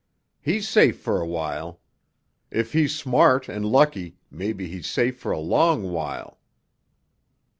He's safe for a while. If he's smart and lucky, maybe he's safe for a long while."